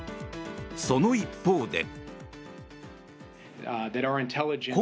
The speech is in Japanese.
その一方で。